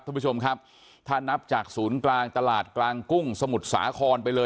ท่านผู้ชมครับถ้านับจากศูนย์กลางตลาดกลางกุ้งสมุทรสาครไปเลย